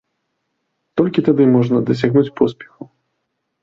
Толькі тады можна дасягнуць поспеху.